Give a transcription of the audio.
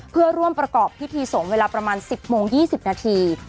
เพื่อร่วมประกอบพิธีสงฆ์เวลาประมาณ๑๐โมง๒๐นาที